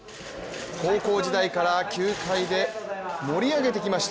高校時代から球界で盛り上げてきました